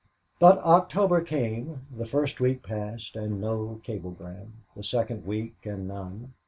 But October came. The first week passed and no cablegram. The second week, and none.